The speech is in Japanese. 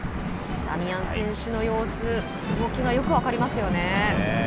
ダミアン選手の様子動きがよく分かりますよね。